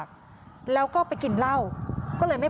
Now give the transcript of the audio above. พูดว่าคนอีกก็เห็นเม่าหรือเปล่า